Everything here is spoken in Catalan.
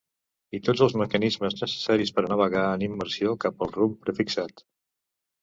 I tots els mecanismes necessaris per a navegar en immersió cap al rumb prefixat.